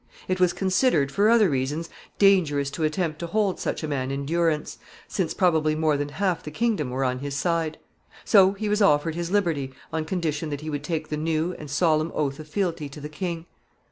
It was considered, for other reasons, dangerous to attempt to hold such a man in durance, since probably more than half the kingdom were on his side. So he was offered his liberty on condition that he would take the new and solemn oath of fealty to the king.